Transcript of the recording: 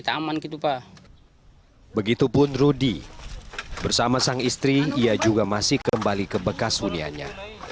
taman begitu pak begitupun rudy bersama sang istri iya juga masih kembali kebekas hunianya